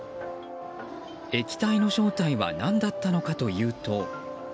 液体の正体は何だったのかというと。